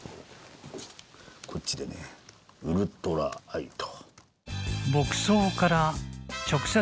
こっちでね「ウルトラアイ」と。